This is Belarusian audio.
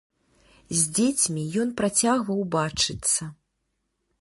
З дзецьмі ён працягваў бачыцца.